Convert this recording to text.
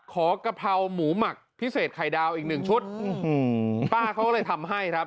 กะเพราหมูหมักพิเศษไข่ดาวอีกหนึ่งชุดป้าเขาเลยทำให้ครับ